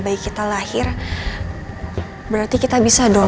bayi kita lahir berarti kita bisa dong